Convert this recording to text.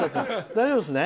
大丈夫ですよね。